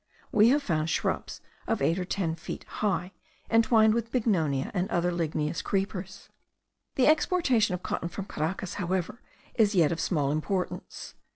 We have found shrubs of eight or ten feet high entwined with bignonia and other ligneous creepers. The exportation of cotton from Caracas, however, is yet of small importance.